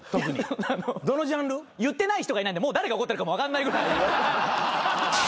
言ってない人がいないんでもう誰が怒ってるか分かんないぐらい。